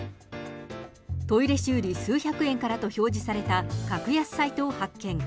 トイレ修理、数百円からと表示された格安サイトを発見。